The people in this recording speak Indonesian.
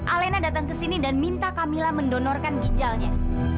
alena datang ke sini dan minta camilla mendonorkan ginjalnya